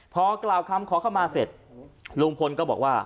พอกล่าวคำขอเข้ามาเสร็จลุงพลก็บอกว่า